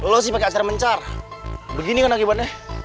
lo sih pakai kasar mencar begini kan akibatnya